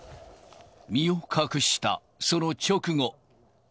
身を隠した、その直後。